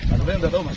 anda tahu mas